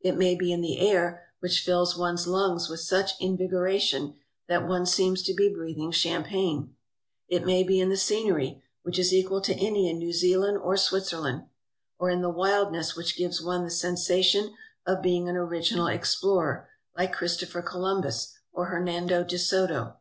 It may be in the air, which fills one's lungs with such invigoration that one seems to be breathing champagne; it may be in the scenery, which is equal to any in New Zealand or Switzer land; or in the wildness which gives one the sensation of being an original explorer, like Christopher Columbus, or Hernando de Soto.